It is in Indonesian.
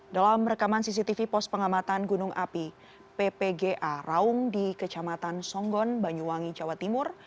dalam rekaman cctv pos pengamatan gunung api ppga raung di kecamatan songgon banyuwangi jawa timur